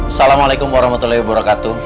assalamualaikum warahmatullahi wabarakatuh